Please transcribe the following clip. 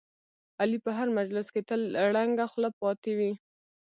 علي په هر مجلس کې تل ړنګه خوله پاتې وي.